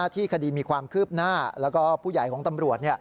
ที่คดีมีความคืบหน้าแล้วก็ผู้ใหญ่ของตำรวจ